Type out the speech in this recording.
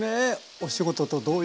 お仕事と同様！